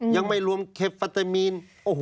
ยังไม่รวมเข็มฟาตามีน